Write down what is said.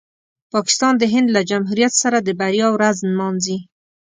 پاکستان د هند له جمهوریت سره د بریا ورځ نمانځي.